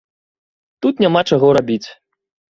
Тут няма чаго рабіць!